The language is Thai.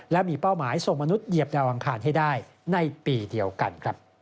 และมีเป้าหมายส่งมนุษย์เหยียบดาวอังคารให้ได้ในปีเดียวกัน